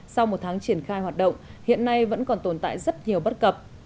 sau một tháng triển khai hoạt động hiện nay vẫn còn tồn tại rất nhiều bất cập